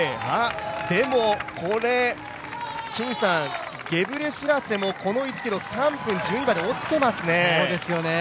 でもこれ、ゲブレシラセもこの１ｋｍ３分１２秒まで落ちてますね。